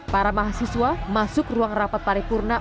para mahasiswa masuk ruang rapat paripurna